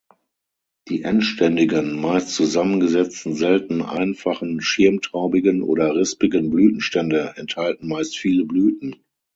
Die endständigen, meist zusammengesetzten, selten einfachen schirmtraubigen oder rispigen Blütenstände enthalten meist viele Blüten.